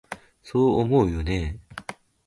そう思うよね？